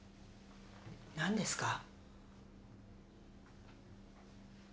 何ですか？